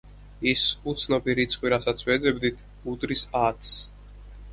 ის უცნობი რიცხვი რასაც ვეძებდით, უდრის ათს.